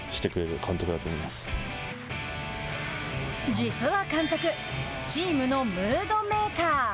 実は監督チームのムードメーカー。